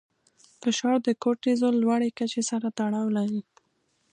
فشار د کورټیسول لوړې کچې سره تړاو لري.